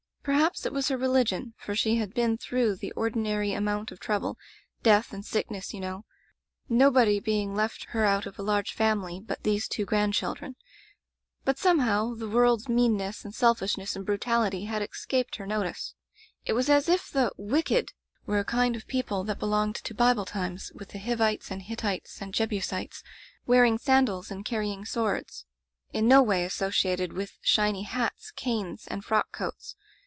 Perhaps it was her re ligion, for she had been through the ordi nary amount of trouble — death and sickness, you know — nobody being left her out of a large family but these two grandchildren. But, somehow, the world's meanness and sel fishness and brutality had escaped her no tice. It was as if the 'wicked ' were a kind of people that belonged to Bible times, with the Hivites and Hittites and Jebusitcs, wear ing sandals and carrying swords; in no way Digitized by LjOOQ IC Interventions associated with shiny hats, canes, and frock coats.